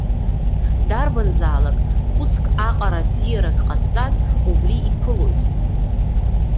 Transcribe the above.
Дарбанзаалак, хәыцк аҟара бзиарак ҟазҵаз, убри иԥылоит.